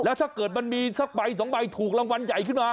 ถ้าเกิดมันมีสักใบสองใบถูกรางวัลใหญ่ขึ้นมา